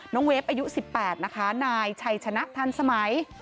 เวฟอายุ๑๘นะคะนายชัยชนะทันสมัย